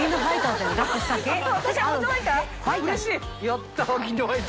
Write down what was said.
やった。